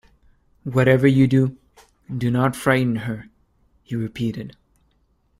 "Whatever you do, do not frighten her," he repeated.